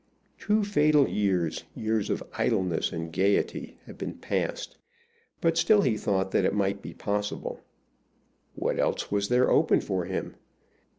Two fatal years, years of idleness and gayety, had been passed, but still he thought that it might be possible. What else was there open for him?